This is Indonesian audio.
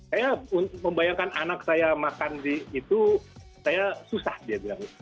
saya membayangkan anak saya makan di itu saya susah dia bilang